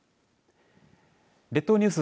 列島ニュース